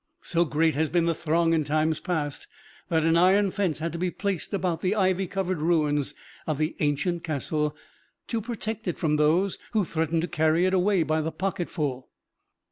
So great has been the throng in times past, that an iron fence had to be placed about the ivy covered ruins of the ancient castle, to protect it from those who threatened to carry it away by the pocketful.